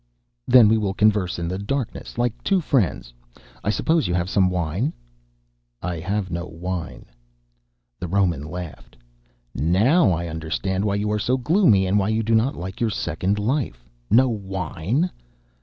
"Then we will converse in the darkness like two friends. I suppose you have some wine?" "I have no wine." The Roman laughed. "Now I understand why you are so gloomy and why you do not like your second life. No wine?